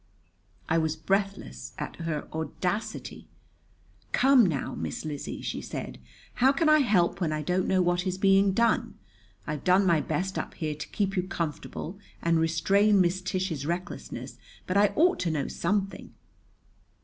I was breathless at her audacity. "Come now, Miss Lizzie," she said, "how can I help when I don't know what is being done? I've done my best up here to keep you comfortable and restrain Miss Tish's recklessness; but I ought to know something."